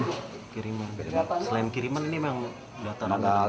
selain kiriman ini memang data